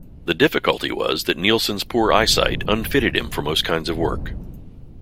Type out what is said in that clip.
The difficulty was that Neilson's poor eyesight unfitted him for most kinds of work.